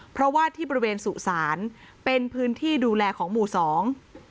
เพราะว่าที่บริเวณสุสานเป็นพื้นที่ดูแลของหมู่สอง